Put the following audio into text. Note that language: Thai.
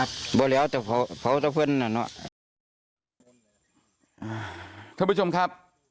ท่านผู้ชมครับ